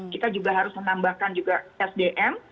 kita juga harus menambahkan juga sdm